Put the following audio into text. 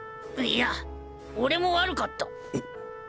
いや俺も悪かった。